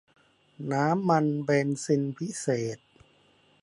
น้ำมันเบนซินพิเศษ